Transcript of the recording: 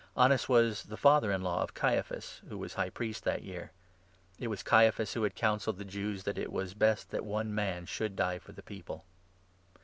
Annas was the father in law of Caiaphas, who was High Priest that year. It was Caiaphas 14 who had counselled the Jews, that it was best that one man should die for the people.